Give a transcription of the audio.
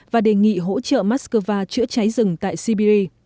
và đề nghị hỗ trợ moscow chữa cháy rừng tại siberia